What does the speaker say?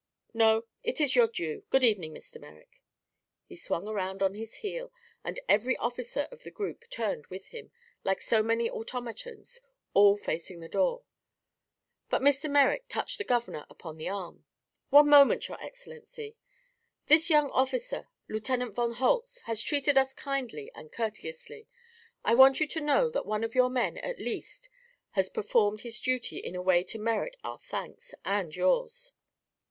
"No; it is your due. Good evening, Mr. Merrick." He swung around on his heel and every officer of the group turned with him, like so many automatons, all facing the door. But Mr. Merrick touched the governor upon the arm. "One moment, your Excellency. This young officer, Lieutenant von Holtz, has treated us kindly and courteously. I want you to know that one of your men, at least, has performed his duty in a way to merit our thanks and yours."